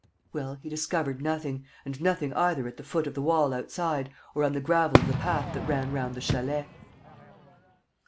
Well, he discovered nothing; and nothing either at the foot of the wall outside, or on the gravel of the path that ran round the chalet.